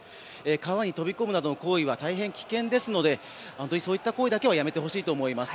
川に飛び込むなどの行為は大変危険ですのでそういった行為だけはやめていただきたいと思います。